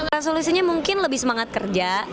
resolusinya mungkin lebih semangat kerja